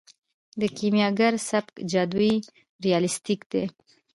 د کیمیاګر سبک جادويي ریالستیک دی.